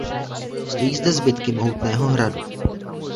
Stojí zde zbytky mohutného hradu.